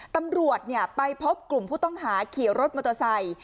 ตำรวจไปพบกลุ่มผู้ต้องหาขี่รถมอเตอร์ไซค์